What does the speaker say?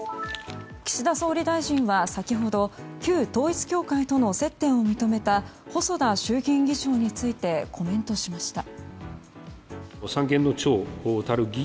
岸田総理大臣は先ほど旧統一教会との接点を認めた細田衆議院議長についてコメントしました。